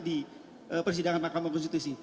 di persidangan mahkamah konstitusi